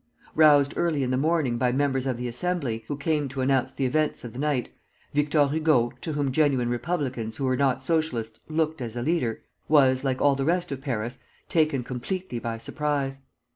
Roused early in the morning by members of the Assembly, who came to announce the events of the night, Victor Hugo, to whom genuine republicans who were not Socialists looked as a leader, was, like all the rest of Paris, taken completely by surprise.